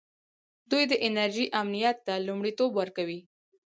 دوی د انرژۍ امنیت ته لومړیتوب ورکوي.